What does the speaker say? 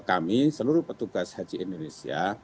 kami seluruh petugas haji indonesia